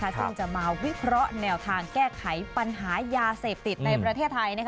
ซึ่งจะมาวิเคราะห์แนวทางแก้ไขปัญหายาเสพติดในประเทศไทย